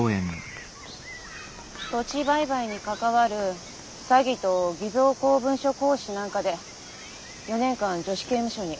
土地売買に関わる詐欺と偽造公文書行使なんかで４年間女子刑務所に。